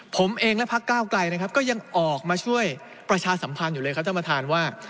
ผมเองและพักก้าวไกลนะครับก็ยังออกมาช่วยประชาสัมพันธ์อยู่เลยครับท่านประธานว่า